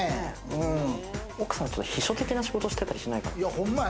奥さんは秘書的な仕事してたりしないかな？